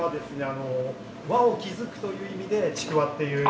あの輪を築くという意味で「ちくわ」っていう。